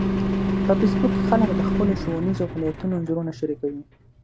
په فېسبوک کې خلک د خپلو ښوونیزو فعالیتونو انځورونه شریکوي